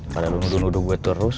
padahal lo nuduh nuduh gue terus